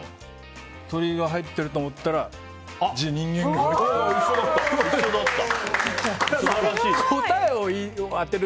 鳥が入ってると思ったら人間が入ってた。